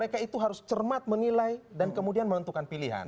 kemat menilai dan kemudian menentukan pilihan